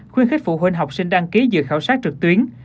khuyến khích phụ huynh học sinh đăng ký dự khảo sát trực tuyến